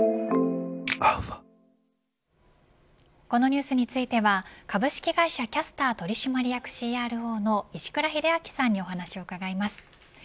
このニュースについては株式会社キャスター取締役ＣＲＯの石倉秀明さんにお話を伺います。